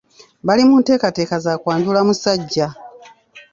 Bali mu nteekateeka za kwajula musajja.